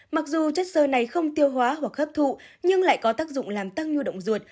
mặc dù chất sơ này không tiêu hóa hoặc hấp thụ nhưng lại có tác dụng làm tăng nhu động ruột